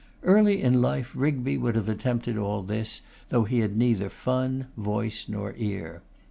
Early in life Rigby would have attempted all this, though he had neither fun, voice, nor ear.